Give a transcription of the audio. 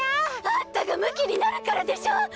あんたがムキになるからでしょ！